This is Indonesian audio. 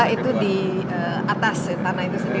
itu di atas tanah itu sendiri